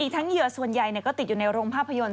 ทั้งเหยื่อส่วนใหญ่ก็ติดอยู่ในโรงภาพยนตร์